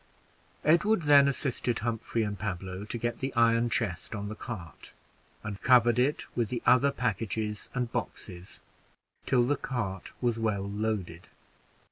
Edward then assisted Humphrey and Pablo to get the iron chest on the cart, and covered it with the other packages and boxes, till the cart was well loaded.